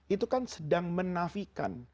itu kan sedang menafikan